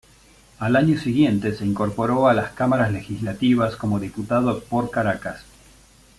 Al año siguiente se incorporó a las Cámaras Legislativas como diputado por Caracas.